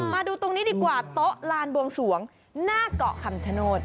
มาดูตรงนี้ดีกว่าโต๊ะลานบวงสวงหน้าเกาะคำชโนธ